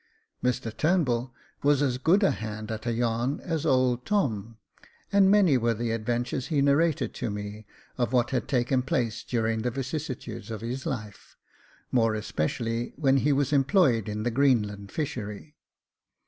Mr Turnbull was as good a hand at a yarn as old Tom, and many were the adventures he narrated to me of what had taken place during the vicissitudes of his life, more especially when he was employed in the Greenland fishery.